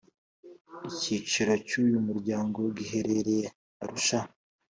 Icyicaro cyuyu muryango giherereye arusha